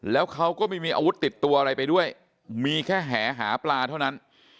แล้วเขาก็ไม่มีอาวุธติดตัวอะไรไปด้วยมีแค่แหหาปลาเท่านั้น